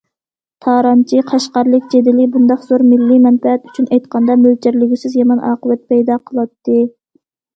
« تارانچى- قەشقەرلىك جېدىلى» بۇنداق زور مىللىي مەنپەئەت ئۈچۈن ئېيتقاندا مۆلچەرلىگۈسىز يامان ئاقىۋەت پەيدا قىلاتتى.